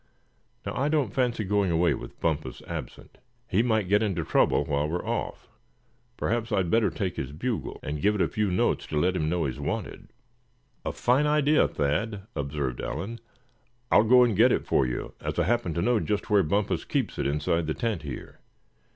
Now, I don't fancy going away with Bumpus absent. He might get into trouble while we were off. Perhaps I'd better take his bugle, and give a few notes to let him know he's wanted." "A fine idea, Thad," observed Allan; "I'll go and get it for you, as I happen to know just where Bumpus keeps it inside the tent here.